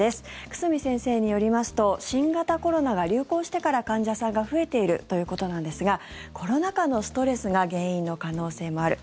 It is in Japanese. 久住先生によりますと新型コロナが流行してから患者さんが増えているということなんですがコロナ禍のストレスが原因の可能性もある。